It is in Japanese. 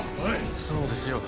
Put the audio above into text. そうですよ。